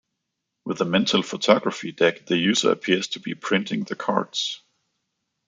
With a Mental Photography Deck, the user appears to be printing the cards.